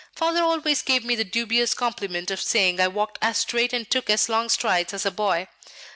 Father always gave me the dubious compliment of saying I walked as straight and took as long strides as a boy.